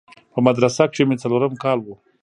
په مدرسه کښې مې څلورم کال و.